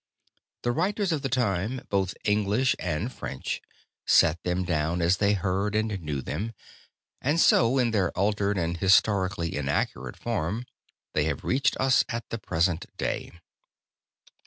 The writers of the time, both English and French, set them down as they heard and knew them, and so in their altered and historically inaccurate form they have reached us at the present day.